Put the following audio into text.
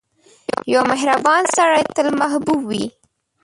• یو مهربان سړی تل محبوب وي.